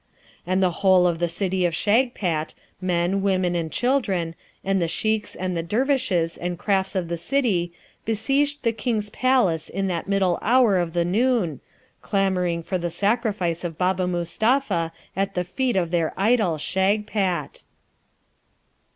And the whole of the City of Shagpat, men, women, and children, and the sheikhs and the dervishes and crafts of the City besieged the King's palace in that middle hour of the noon, clamouring for the sacrifice of Baba Mustapha at the feet of their idol Shagpat.